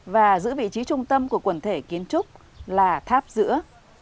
và giữ vị trí trung tâm của quần thể kiến trúc là tháp giữa